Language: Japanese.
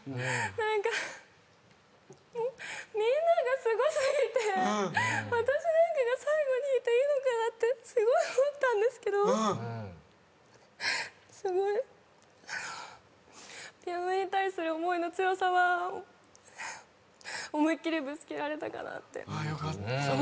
みんながすご過ぎて私なんかが最後に弾いていいのかなってすごい思ったんですけどすごいピアノに対する思いの強さは思いっ切りぶつけられたかなって思います。